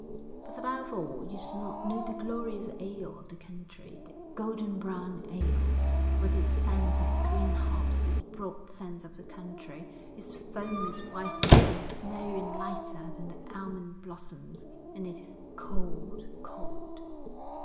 But above all, you do not know the glorious ale of the country, the golden brown ale, with its scent of green hops, its broad scents of the country; its foam is whiter than snow and lighter than the almond blossoms; and it is cold, cold....